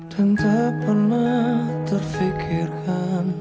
dan tak pernah terfikirkan